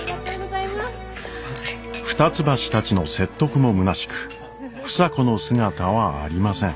二ツ橋たちの説得もむなしく房子の姿はありません。